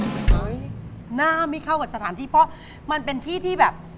เฮ้ยหน้าไม่เข้ากับสถานที่เพราะมันเป็นที่ที่แบบ